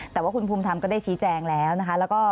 แต่ว่าคุณภูมิธรรมก็ได้ชี้แจงแล้วนะคะ